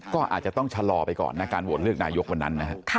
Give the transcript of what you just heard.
ก็อาจจะต้องชะลอไปก่อนนะการโหวตเลือกนายกวันนั้นนะฮะ